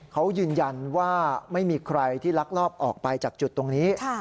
เขายืนยันว่าไม่มีใครที่ลักลอบออกไปจากจุดตรงนี้